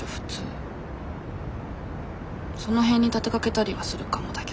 その辺に立てかけたりはするかもだけど。